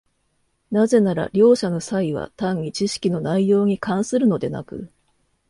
なぜなら両者の差異は単に知識の内容に関するのでなく、